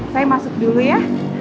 saya masuk dulu ya